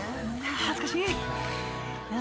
［恥ずかしい！］